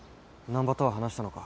難破とは話したのか？